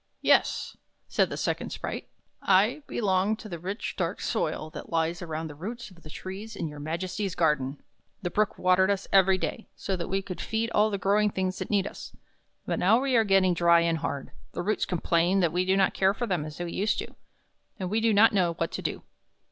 " "Yes," said the second sprite. " I belong to the 43 THE BROOK IN THE KING'S GARDEN rich, dark soil that lies around the roots of the trees in your Majesty's garden. The Brook watered us every day, so that we could feed all the growing things that need us. But now we are getting dry and hard, the roots complain that we do not care for them as we used to; and we do not know what to do."